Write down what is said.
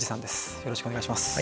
よろしくお願いします。